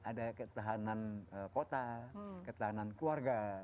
ada ketahanan kota ketahanan keluarga